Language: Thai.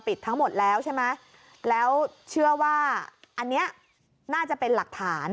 ทั้งหมดแล้วใช่ไหมแล้วเชื่อว่าอันนี้น่าจะเป็นหลักฐาน